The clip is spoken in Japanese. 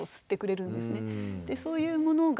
そういうものが。